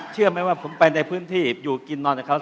เชื่อไหมว่าผมไปในพื้นที่อยู่กินนอนกับเขา